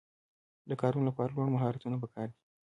د کارونو لپاره لوړ مهارتونه پکار دي.